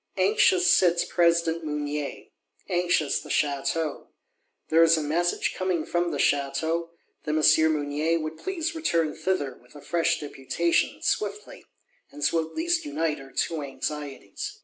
Anxious sits President Mounier; anxious the Château. There is a message coming from the Château, that M. Mounier would please return thither with a fresh Deputation, swiftly; and so at least unite our two anxieties.